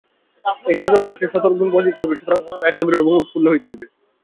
এই শৌচ-অভ্যাসের দ্বারা সত্ত্বগুণ বর্ধিত হইবে, সুতরাং মনও একাগ্র ও প্রফুল্ল হইবে।